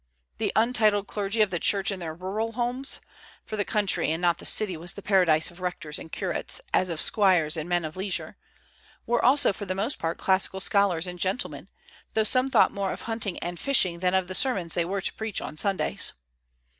The untitled clergy of the Church in their rural homes, for the country and not the city was the paradise of rectors and curates, as of squires and men of leisure, were also for the most part classical scholars and gentlemen, though some thought more of hunting and fishing than of the sermons they were to preach on Sundays.